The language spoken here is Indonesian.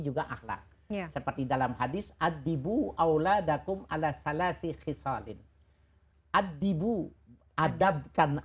juga ahlak seperti dalam hadits ad dibu awla dakum ala salasi khisalin ad dibu adabkanlah